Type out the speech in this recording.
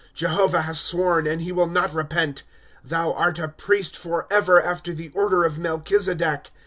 * Jehovah has sworn, and he will not repent : Thou art a priest forever, after the order of Melchizedek.